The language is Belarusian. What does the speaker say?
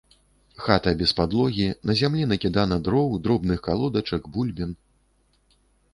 Хата без падлогі, на зямлі накідана дроў, дробных калодачак, бульбін.